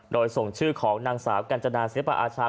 โดยส่งชื่อของนางสาวกัญจนาศิลปอาชา